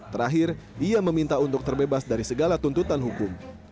terakhir ia meminta untuk terbebas dari segala tuntutan hukum